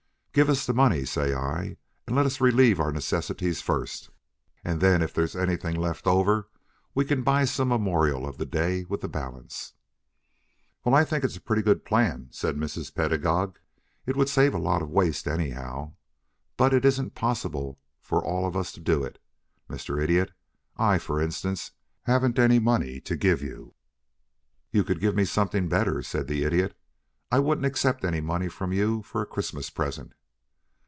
Give us the money, say I, and let us relieve our necessities first, and then if there is anything left over we can buy some memorial of the day with the balance." "Well, I think it's a pretty good plan," said Mrs. Pedagog. "It would save a lot of waste, anyhow. But it isn't possible for all of us to do it, Mr. Idiot. I, for instance, haven't any money to give you." "You could give me something better," said the Idiot. "I wouldn't accept any money from you for a Christmas present."